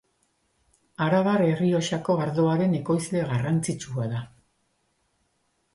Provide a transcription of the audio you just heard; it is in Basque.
Arabar Errioxako ardoaren ekoizle garrantzitsua da.